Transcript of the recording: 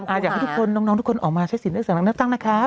พี่เบิร์ดก็จะบอกว่าอยากให้ทุกคนน้องทุกคนออกมาใช้สินได้สั่งตั้งนะครับอย่างนี้ครับ